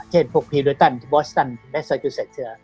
เช่นพวกพีโดยตันบอสตานและเซอร์จิวเซ็ตเชือร์